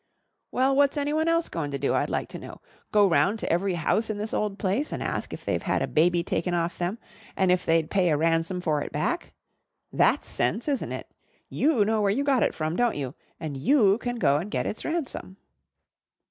"Well, what's anyone else goin' to do, I'd like to know? Go round to every house in this old place and ask if they've had a baby taken off them and if they'd pay a ransom for it back? That's sense, isn't it? You know where you got it from, don't you, and you can go and get its ransom."